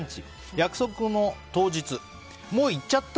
約束の当日、もう行っちゃった。